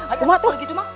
aduh gitu mah